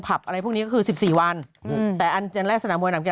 ผลับอะไรพวกนี้ก็คือ๑๔วันอือแต่อันเงินแรงสนามมวยัด